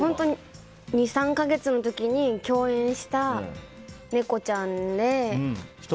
２３か月の時に共演した猫ちゃんで。